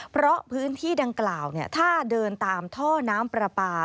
เพราะพื้นที่ดังกล่าวถ้าเดินตามท่อน้ำปลาปลา